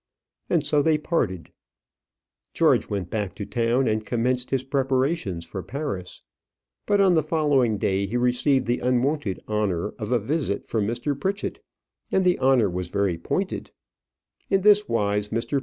And so they parted. George went back to town and commenced his preparations for Paris. But on the following day he received the unwonted honour of a visit from Mr. Pritchett, and the honour was very pointed; in this wise. Mr.